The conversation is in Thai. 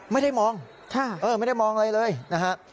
ไม่ได้มองไม่ได้มองอะไรเลยนะฮะ